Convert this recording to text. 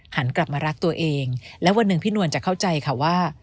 หันกลับมารักตัวเองและวันหนึ่งพี่นวลจะเข้าใจค่ะว่า